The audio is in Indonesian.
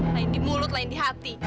lain di mulut lain di hati